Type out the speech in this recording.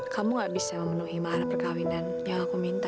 kamu gak bisa memenuhi marah perkahwinan yang aku minta